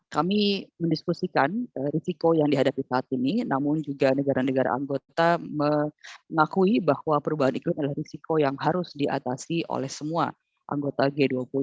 kami mendiskusikan risiko yang dihadapi saat ini namun juga negara negara anggota mengakui bahwa perubahan iklim adalah risiko yang harus diatasi oleh semua anggota g dua puluh